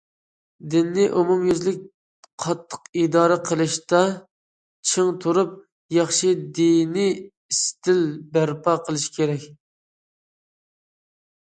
دىننى ئومۇميۈزلۈك قاتتىق ئىدارە قىلىشتا چىڭ تۇرۇپ، ياخشى دىنىي ئىستىل بەرپا قىلىش كېرەك.